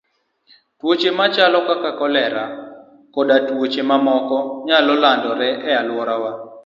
Tuoche machalo kaka kolera koda tuoche mamoko, nyalo landore e alworawa.